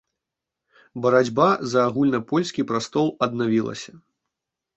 Барацьба за агульнапольскі прастол аднавілася.